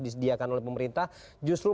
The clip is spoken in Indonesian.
disediakan oleh pemerintah justru